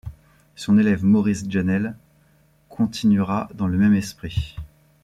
Son élève Maurice Jeannel continuera dans le même esprit.